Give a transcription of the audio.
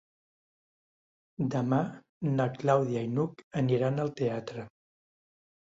Demà na Clàudia i n'Hug aniran al teatre.